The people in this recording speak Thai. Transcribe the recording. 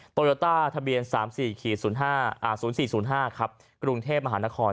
ตรวจต้าทะเบียน๓๔๐๔๐๕กรุงเทพฯมหานคร